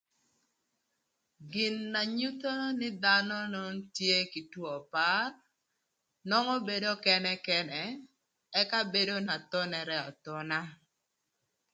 Gin na nyutho nï dhanö nön tye kï two par, nongo bedo kënë kënë ëka bedo na thonere athona.